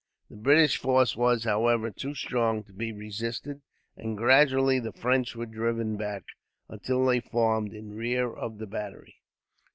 The British force was, however, too strong to be resisted, and gradually the French were driven back, until they formed in rear of the battery.